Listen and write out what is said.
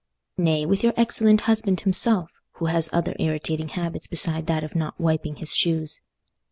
Nay, with your excellent husband himself, who has other irritating habits besides that of not wiping his shoes?